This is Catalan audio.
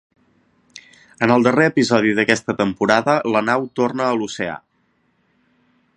En el darrer episodi d'aquesta temporada, la nau torna a l'oceà.